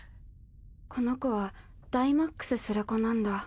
この子はダイマックスする子なんだ。